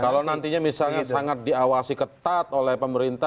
kalau nantinya misalnya sangat diawasi ketat